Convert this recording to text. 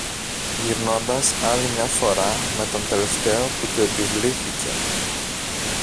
γυρνώντας άλλη μια φορά με τον τελευταίο που του επιβλήθηκε